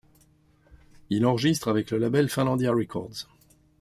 Il enregistre avec le label Finlandia records.